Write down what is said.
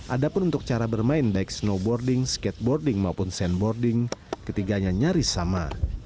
ada pun untuk cara bermain baik snowboarding skateboarding maupun sandboarding ketiganya nyaris sama